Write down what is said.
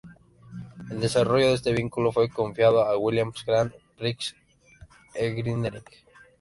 El desarrollo de este vehículo fue confiado a Williams Grand Prix Engineering.